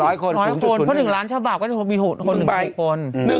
ร้อยคนเพราะ๑ล้านชะบะก็มี๑คน